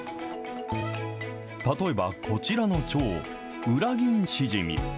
例えばこちらのチョウ、ウラギンシジミ。